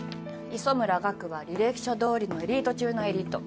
磯村岳は履歴書どおりのエリート中のエリート。